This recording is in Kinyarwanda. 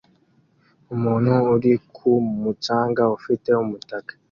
Umuntu uri ku mucanga ufite umutaka